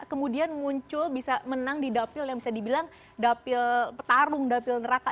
kemudian muncul bisa menang di dapil yang bisa dibilang dapil petarung dapil neraka